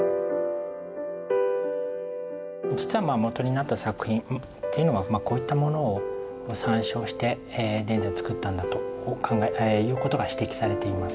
実はまあ元になった作品っていうのがこういったものを参照して田善作ったんだと考えということが指摘されています。